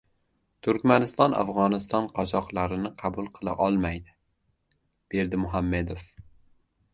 Turkmaniston Afg‘oniston qochoqlarini qabul qila olmaydi — Berdimuhamedov